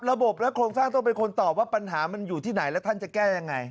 ระบบและโครงสร้างต้องเป็นคนตอบว่าปัญหามันอยู่ที่ไหนแล้วท่านจะแก้ยังไง